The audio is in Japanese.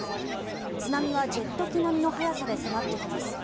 津波はジェット機並みの速さで迫ってきます。